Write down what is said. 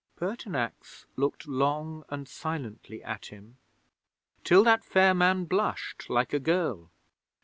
'Pertinax looked long and silently at him, till that fair man blushed like a girl.